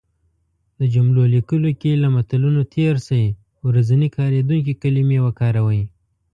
د جملو لیکلو کې له متلونو تېر شی. ورځنی کارېدونکې کلمې وکاروی